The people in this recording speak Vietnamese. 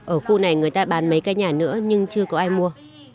ở khu này người ta bán mấy cái nhà nữa nhưng chưa có ai mua